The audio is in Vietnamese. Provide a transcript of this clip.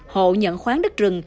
hộ nhận khoáng đất rừng